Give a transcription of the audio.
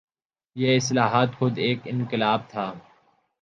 یہ اصلاحات خود ایک انقلاب تھا۔